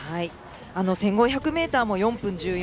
１５００ｍも４分１４。